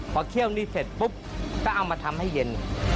พอเคี่ยวนี้เสร็จปุ๊บก็เอามาทำให้เย็น